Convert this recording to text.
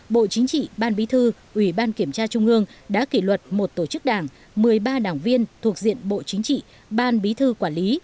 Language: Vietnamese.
bộ chính trị ban bí thư ủy ban kiểm tra trung ương đã kỷ luật một tổ chức đảng một mươi ba đảng viên thuộc diện bộ chính trị ban bí thư quản lý